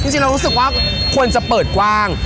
จริงเรารู้สึกว่าควรจะเปิดกว้าง